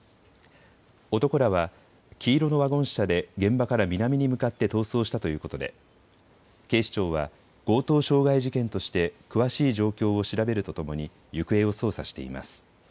男らは黄色のワゴン車で現場から南に向かって逃走したということで警視庁は強盗傷害事件として詳しい状況を調べるとともに行方を捜査しています。